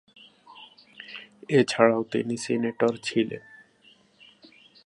এছাড়াও তিনি সিনেটর ছিলেন।